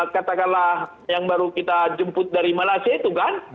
katakanlah yang baru kita jemput dari malaysia itu kan